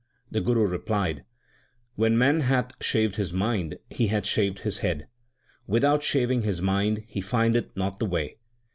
The Guru replied : When man hath shaved his mind he hath shaved his head j 1 Without shaving his mind he findeth not the way.